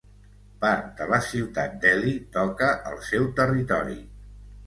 Part de la ciutat d'Ely toca el seu territori.